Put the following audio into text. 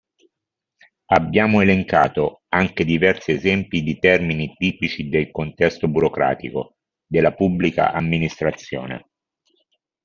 Abbiamo elencato anche diversi esempi di termini tipici del contesto burocratico della Pubblica Amministrazione.